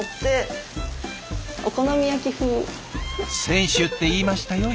「選手」って言いましたよ